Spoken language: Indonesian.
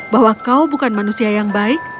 bahwa kau bukan manusia yang baik